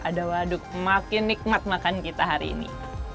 ada waduk makin nikmat makan kita hari ini